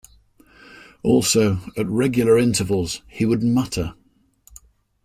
Also, at regular intervals, he would mutter.